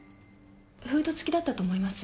フード付きだったと思います。